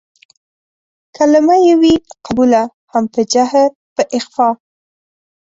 کلمه يې وي قبوله هم په جهر په اخفا